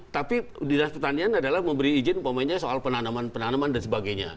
tapi dinas pertanian adalah memberi izin umpamanya soal penanaman penanaman dan sebagainya